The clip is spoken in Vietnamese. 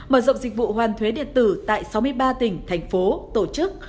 mở rộng dịch vụ hoàn thuế điện tử tại sáu mươi ba tỉnh thành phố tổ chức